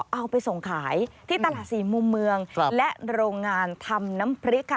เอาไปส่งขายที่ตลาดสี่มุมเมืองและโรงงานทำน้ำพริกค่ะ